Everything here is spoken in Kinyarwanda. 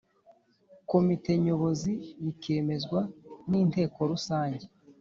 Komite Nyobozi bikemezwa n inteko rusange